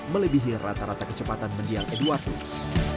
melebihi rata rata kecepatan mendiang eduaterus